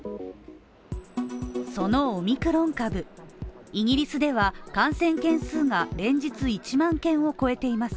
そのオミクロン株、イギリスでは感染件数が連日１万件を超えています。